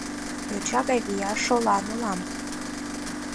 Йоча гай вияш шолан улам.